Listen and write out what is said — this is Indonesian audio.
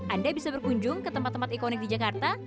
anda bisa berkunjung ke tempat tempat ikonik di jakarta